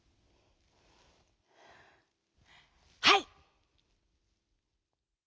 「はい！」。